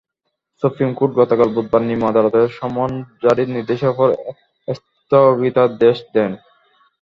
Supreme court গতকাল বুধবার নিম্ন আদালতের সমন জারির নির্দেশের ওপর স্থগিতাদেশ দেন।